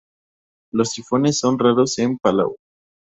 Los tifones son raros en Palau.